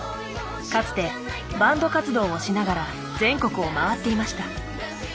かつてバンド活動をしながら全国を回っていました。